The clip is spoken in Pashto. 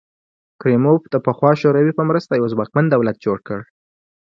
کریموف د پخوا شوروي په مرسته یو ځواکمن دولت جوړ کړ.